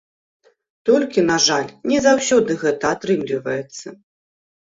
Толькі, на жаль, не заўсёды гэта атрымліваецца.